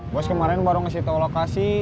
bos kemarin baru ngasih tahu lokasi